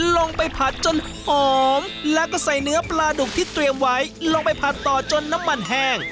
ลงไปผัดจนหอมแล้วก็ใส่เนื้อปลาดุกที่เตรียมไว้ลงไปผัดต่อจนน้ำมันแห้ง